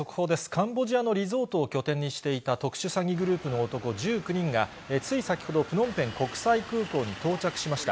カンボジアのリゾートを拠点にしていた特殊詐欺グループの男１９人がつい先ほど、プノンペン国際空港に到着しました。